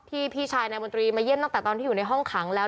พี่ชายนายมนตรีมาเยี่ยมตั้งแต่ตอนที่อยู่ในห้องขังแล้ว